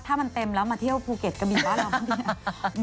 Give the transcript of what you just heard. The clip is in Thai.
ถ้ามันเต็มแล้วมาเที่ยวภูเกตกะบีบ้านอะไรวะ